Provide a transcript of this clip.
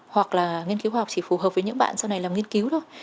hoặc là nghiên cứu khoa học chỉ phù hợp với những bạn sau này làm nghiên cứu thôi